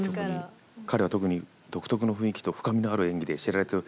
「彼は特に独特の雰囲気と深みのある演技で知られており」。